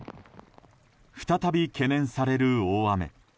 再び懸念される大雨。